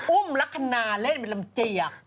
อุ้มลักษณะเล่นเป็นลำเจียก